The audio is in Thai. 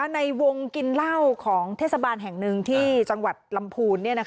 ในวงกินเหล้าของเทศบาลแห่งหนึ่งที่จังหวัดลำพูน